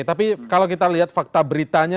tapi kalau kita lihat fakta beritanya